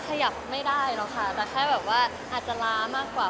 ขยับไม่ได้แต่แค่ว่าว่าว่าอาจจะล้ามากกว่า